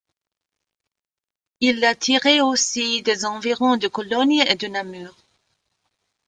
Ils la tiraient aussi des environs de Cologne et de Namur.